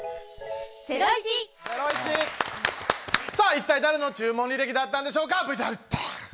一体、誰の注文履歴だったんでしょうか？